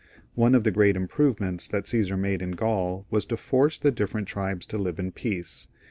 One of the great improvements that Caesar made in Gaul, was to force the different tribes to live in peace.